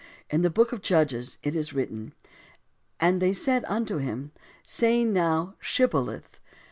In the Book of Judges it is written: Then said they unto him, "Say now 'Shibboleth.'"